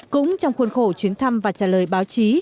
cũng trong khuôn khổ chuyến thăm và trả lời báo chí